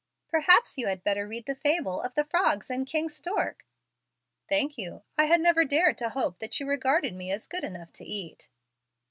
"Perhaps you had better read the fable of the Frogs and King Stork." "Thank you. I had never dared to hope that you regarded me as good enough to eat."